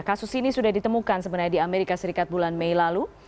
kasus ini sudah ditemukan sebenarnya di amerika serikat bulan mei lalu